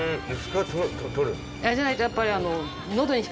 じゃないとやっぱりあの。